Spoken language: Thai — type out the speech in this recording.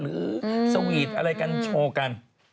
หรือสวีทอะไรกันโชวกัน